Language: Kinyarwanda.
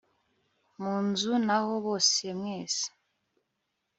munzu naho bose mwese